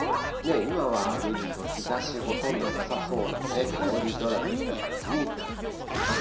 今は見ると日ざし、ほとんどなさそうな曇り空といった感じになってきています。